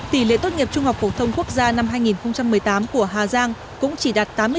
tỷ lệ tốt nghiệp trung học phổ thông quốc gia năm hai nghìn một mươi tám của hà giang cũng chỉ đạt tám mươi chín ba mươi năm